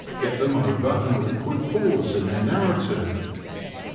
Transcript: get them over an awkward pause in their narrative.